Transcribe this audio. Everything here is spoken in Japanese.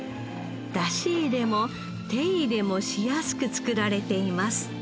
出し入れも手入れもしやすく造られています